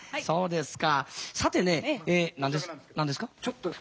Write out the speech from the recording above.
さてねえ何ですか？